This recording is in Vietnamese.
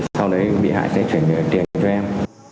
sau đấy bị hại sẽ chuyển tiền cho em